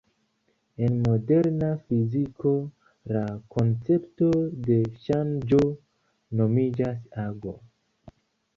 En moderna fiziko, la koncepto de ŝanĝo nomiĝas ago.